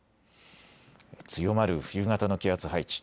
強まる冬型の気圧配置。